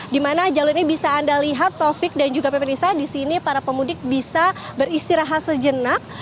di mana jalur ini bisa anda lihat taufik dan juga pemirsa di sini para pemudik bisa beristirahat sejenak